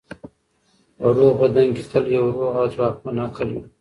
په روغ بدن کې تل یو روغ او ځواکمن عقل وي.